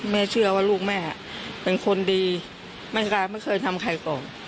เชื่อว่าลูกแม่เป็นคนดีไม่เคยทำใครก่อน